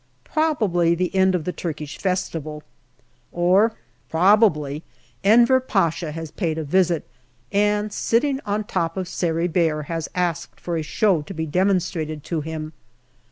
Probably the end of the Turkish festival, or probably Enver Pasha has paid a visit, and, sitting on top of Sari Bair, has asked for a show to be demonstrated to him.